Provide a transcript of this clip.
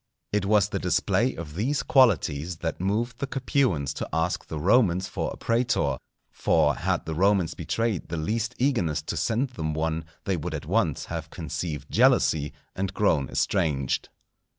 It was the display of these qualities that moved the Capuans to ask the Romans for a prætor; for had the Romans betrayed the least eagerness to send them one, they would at once have conceived jealousy and grown estranged.